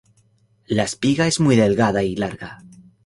La espiga es muy delgada y larga.